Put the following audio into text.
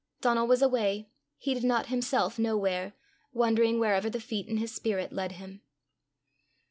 Donal was away, he did not himself know where, wandering wherever the feet in his spirit led him.